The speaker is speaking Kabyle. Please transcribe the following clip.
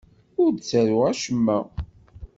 Ur d-ttaruɣ acemma.